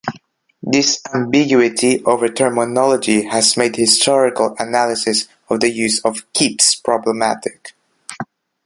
This ambiguity over terminology has made historical analysis of the use of "keeps" problematic.